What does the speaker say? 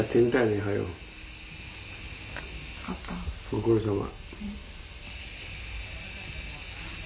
ご苦労さま。